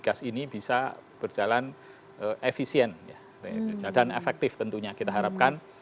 gas ini bisa berjalan efisien dan efektif tentunya kita harapkan